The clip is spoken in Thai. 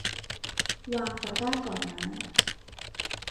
วางตะกร้าก่อนม้า